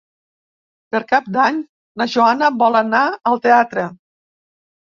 Per Cap d'Any na Joana vol anar al teatre.